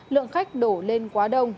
lượng khách đổ lên quá đông